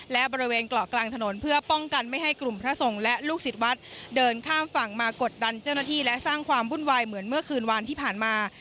และบริเวณเกาะกลางถนนเพื่อป้องกันไม่ให้กลุ่มพระสงฆ์และลูกศิษย์วัดเดินข้ามฝั่งมากดดันเจ้าหน้าที่และสร้างความวุ่นวายเหมือนเมื่อคืนวันที่ผ่านมา